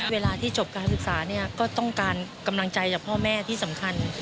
เวลาที่จบการศึกษาเนี่ยก็ต้องการกำลังใจจากพ่อแม่ที่สำคัญ